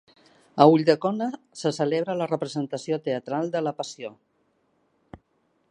A Ulldecona se celebra la representació teatral de La Passió.